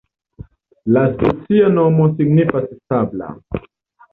La specia nomo signifas sabla.